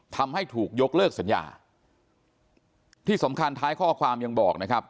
ทำให้ถูกยกเลิกสัญญาที่สำคัญท้ายข้อความยังบอกนะครับ